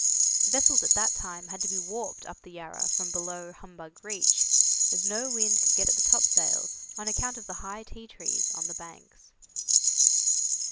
Vessels at that time had to be warped up the Yarra from below Humbug Reach, as no wind could get at the topsails, on account of the high tea tree on the banks.